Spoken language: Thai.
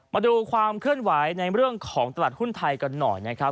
มาดูความเคลื่อนไหวในเรื่องของตลาดหุ้นไทยกันหน่อยนะครับ